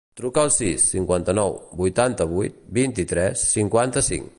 Truca al sis, cinquanta-nou, vuitanta-vuit, vint-i-tres, cinquanta-cinc.